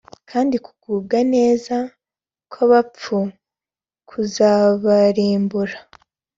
kandi kugubwa neza kw’abapfu kuzabarimbura